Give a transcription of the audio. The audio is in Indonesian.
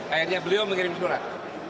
akhirnya beliau mengirim surat